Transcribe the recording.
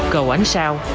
cầu ánh sao